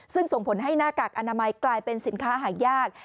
ซึ่งส่งผลให้หน้ากากอนามัยกลายเป็นสินค้าหายาก